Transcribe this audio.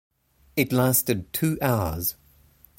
It lasted two hours.